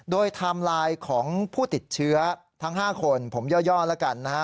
โดยไทม์ไลน์ของผู้ติดเชื้อทั้ง๕คนผมย่อแล้วกันนะฮะ